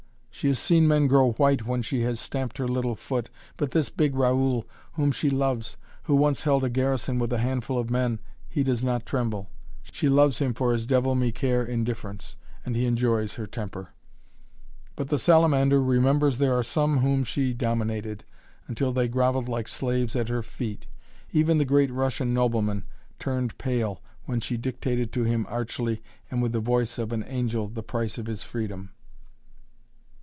She has seen men grow white when she has stamped her little foot, but this big Raoul, whom she loves who once held a garrison with a handful of men he does not tremble! she loves him for his devil me care indifference and he enjoys her temper. But the salamander remembers there are some whom she dominated, until they groveled like slaves at her feet; even the great Russian nobleman turned pale when she dictated to him archly and with the voice of an angel the price of his freedom.